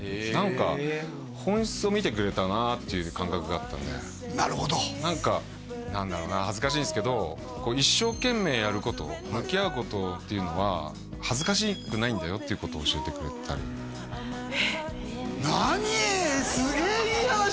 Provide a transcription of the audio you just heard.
なんか本質を見てくれたなっていう感覚があったんでなるほどなんか何だろうな恥ずかしいんですけど向き合うことっていうのは恥ずかしくないんだよっていうことを教えてくれたりえっ何それ何？